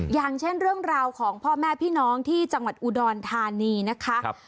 อย่างเช่นเรื่องราวของพ่อแม่พี่น้องที่จังหวัดอุดรธานีนะคะ